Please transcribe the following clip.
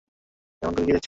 এমন করে কি দেখছেন?